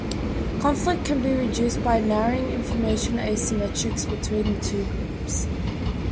Conflict can be reduced by narrowing information asymmetries between the two groups.